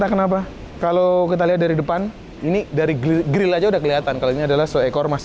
kenapa kalau kita lihat dari depan ini dari grill aja udah kelihatan kalau ini adalah seekor mas